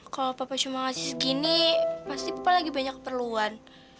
kalau papa cuma ngasih segini pasti papa lagi banyak keperluan